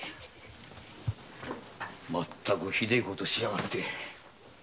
まったくひでえことしやがって。